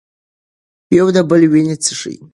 یو د بل وینې څښي.